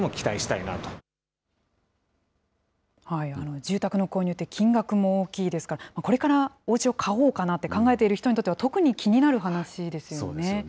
住宅の購入って金額も大きいですから、これからおうちを買おうかなと考えている人にとっては特に気になそうですよね。